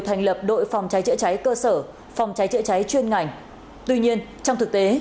thành lập đội phòng trái trịa trái cơ sở phòng trái trịa trái chuyên ngành tuy nhiên trong thực tế